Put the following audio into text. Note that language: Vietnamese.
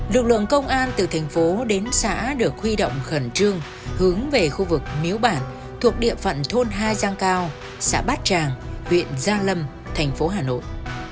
lực lượng công an từ thành phố đến xã được huy động khẩn trương hướng về khu vực miếu bản thuộc địa phận thôn hai giang cao xã bát tràng huyện gia lâm thành phố hà nội